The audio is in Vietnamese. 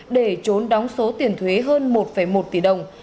để trốn đóng số tiền thuế hơn một một tỷ đồng